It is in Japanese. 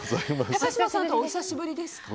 高嶋さんとはお久しぶりですか？